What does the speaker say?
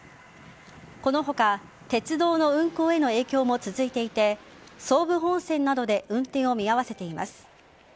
この他鉄道の運行への影響も続いていて総武本線などで運転を見合わせています。